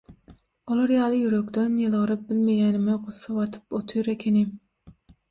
Olar ýaly ýürekden ýylgyryp bilmeýänime gussa batyp otyr ekenim.